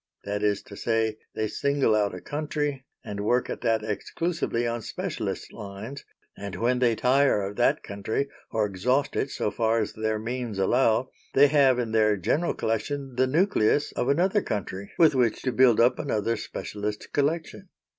That is to say, they single out a country, and work at that exclusively on specialist lines; and when they tire of that country, or exhaust it so far as their means allow, they have in their general collection the nucleus of another country with which to build up another specialist collection.